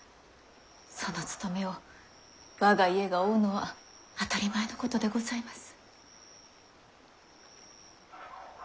その務めを我が家が負うのは当たり前のことでございます。